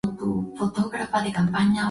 Pertenecía a la tribu Galeria.